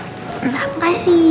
rede elektrikun caranya jangan bilang